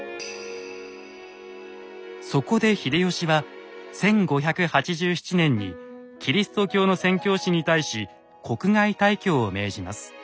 そこで秀吉は１５８７年にキリスト教の宣教師に対し国外退去を命じます。